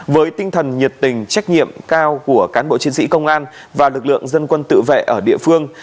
với tinh thần nhiệt tình trách nhiệm cao của cán bộ chiến sĩ công an và lực lượng dân quân tự vệ ở địa phương